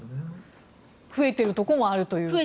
増えているところもあるという。